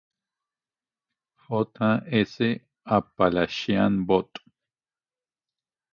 J. S. Appalachian Bot.